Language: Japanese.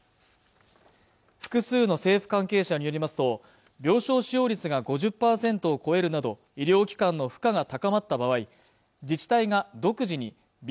複数の政府関係者によりますと病床使用率が５０％を超えるなど医療機関の負荷が高まった場合自治体が独自にＢＡ．